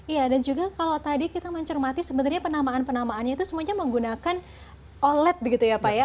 ya dan juga kalau tadi kita mencermati sebenarnya penamaan penamaannya itu semuanya menggunakan oled begitu ya pak ya